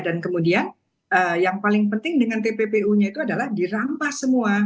dan kemudian yang paling penting dengan tppu nya itu adalah dirampas semua